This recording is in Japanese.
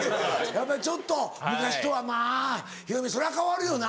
やっぱりちょっと昔とはまぁヒロミそりゃ変わるよな。